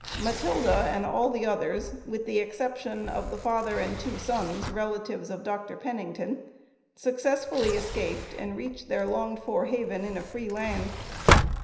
Matilda and all the others with the exception of the father and two sons (relatives of Dr. Pennington) successfully escaped and reached their longed for haven in a free land.